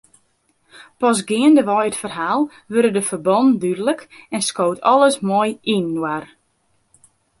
Pas geandewei it ferhaal wurde de ferbannen dúdlik en skoot alles moai yninoar.